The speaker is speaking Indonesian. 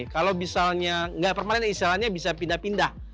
kalau misalnya nggak permanen istilahnya bisa pindah pindah